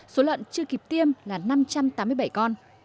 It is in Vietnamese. số lợn chưa kịp tiêm là năm trăm tám mươi bảy con